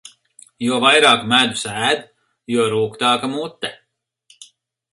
Jo vairāk medus ēd, jo rūgtāka mute.